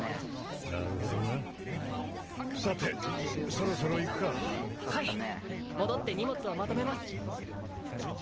なるほどなさてそろそろ行くかはい戻って荷物をまとめます